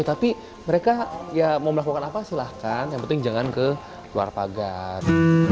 tapi mereka ya mau melakukan apa silahkan yang penting jangan ke luar pagar